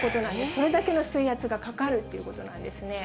それだけの水圧がかかるっていうことなんですね。